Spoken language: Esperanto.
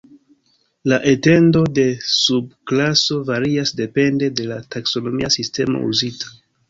La etendo de subklaso varias depende de taksonomia sistemo uzita.